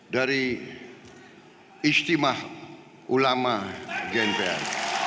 dari istimah ulama gnpr